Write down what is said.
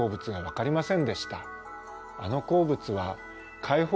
あの鉱物は開放